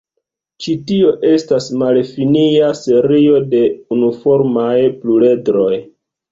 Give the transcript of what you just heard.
Ĉi tio estas malfinia serio de unuformaj pluredroj.